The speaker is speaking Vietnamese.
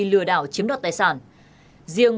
lừa đảo chiếm đoạt tài sản